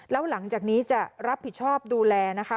แล้วหลังจากนี้จะรับผิดชอบดูแลนะคะ